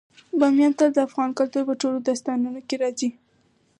بامیان تل د افغان کلتور په ټولو داستانونو کې راځي.